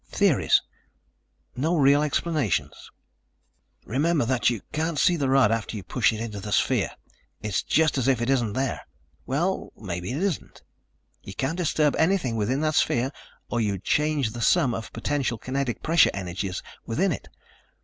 "Theories, no real explanations. Remember that you can't see the rod after you push it into the sphere. It's just as if it isn't there. Well, maybe it isn't. You can't disturb anything within that sphere or you'd change the sum of potential kinetic pressure energies within it.